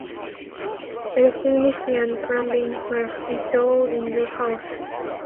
Electricity and plumbing were installed in the house.